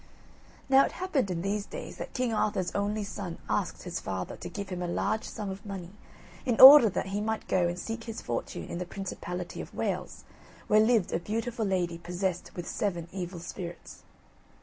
Now, it happened in these days that King Arthur's only son asked his father to give him a large sum of money, in order that he might go and seek his fortune in the principality of Wales, where lived a beautiful lady possessed with seven evil spirits.